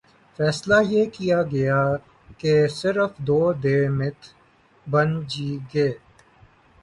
فیصلہ یہ کیا گیا کہہ صرف دو ڈے میٹھ بن ج گے